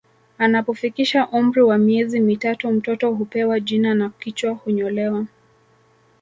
Anapofikisha umri wa miezi mitatu mtoto hupewa jina na kichwa hunyolewa